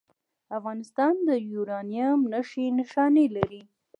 افغانستان د یورانیم نښې نښانې لري